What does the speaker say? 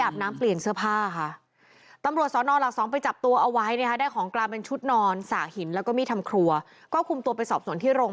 เสียชีวิตลงที